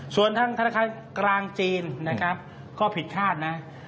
ส่วนทางธนาคารกลางจีนก็ผิดคาดนะ